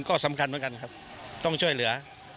ก็สำคัญเหมือนกันครับต้องช่วยเหลือ